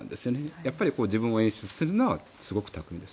やっぱり自分を演出するのはすごく巧みです。